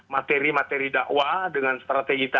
materi materi dakwah dengan strategi